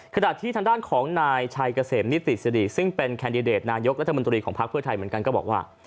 ขณะที่ทางด้านของนายชัยเกษมนิติสิริซึ่งเป็นแคนดิเดตนายกรัฐมนตรีของพักเพื่อไทยเหมือนกันก็บอกว่า